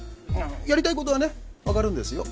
やりたいことはね分かるんですよ。